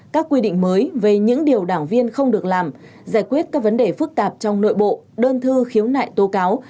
các quy định mới về những điều đảng viên không được làm giải quyết các vấn đề phức tạp trong nội bộ đơn thư khiếu nại tố cáo